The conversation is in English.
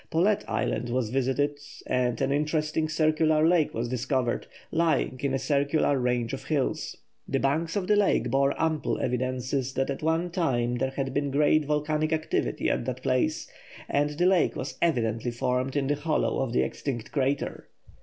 Paulet Island was visited and an interesting circular lake was discovered, lying in a circular range of hills. The banks of the lake bore ample evidences that at one time there had been great volcanic activity at the place, and the lake was evidently formed in the hollow of the extinct crater.